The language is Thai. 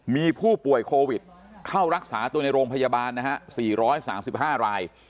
มีผู้ป่วยโควิดเข้ารักษาตัวในโรงพยาบาลนะฮะ๔๓๕ราย